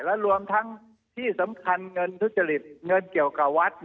และรวมทั้งที่สำคัญเงินทุจริตเงินเกี่ยวกับวัด